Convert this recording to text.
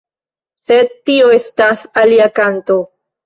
Sed tio estas alia kanto.